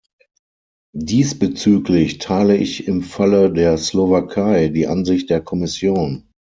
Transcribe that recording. Diesbezüglich teile ich im Falle der Slowakei die Ansicht der Kommission.